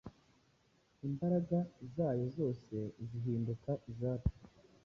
imbaraga zayo zose zihinduka izacu.